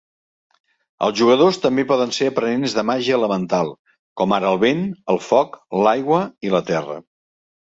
Els jugadors també poden ser aprenents de màgia elemental, com ara el vent, el foc, l'aigua i la terra.